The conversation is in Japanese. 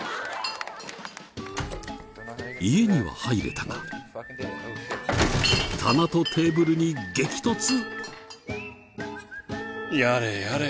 家には入れたが棚とテーブルに激突。